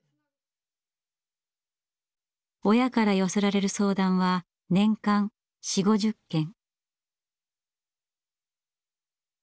親から寄せられる相談は年間４０５０件。